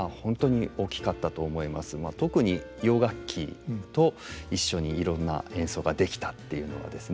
特に洋楽器と一緒にいろんな演奏ができたっていうのはですね